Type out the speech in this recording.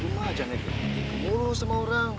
rumah aja nih ngurus sama orang